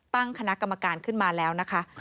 ตั้งคณะกรรมการขึ้นมาแล้วนะคะ